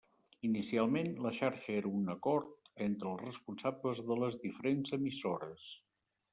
Inicialment, la Xarxa era un acord entre els responsables de les diferents emissores.